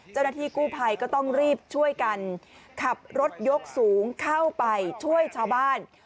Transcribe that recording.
เจ้าหน้าที่กู้ภัยก็ต้องรีบช่วยกันขับรถยกสูงเข้าไปช่วยชาวบ้าน